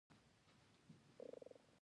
سهار وختي د چرګانو اوازونه کلى راويښوي.